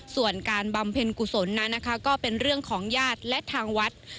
ส่วนการบำเพ็ญกุศลนั้นนะคะก็เป็นเรื่องของญาติและทางวัด